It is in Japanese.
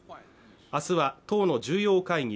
明日は党の重要会議